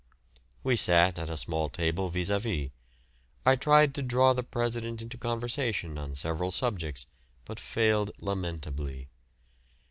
We sat at a small table vis à vis. I tried to draw the president into conversation on several subjects, but failed lamentably.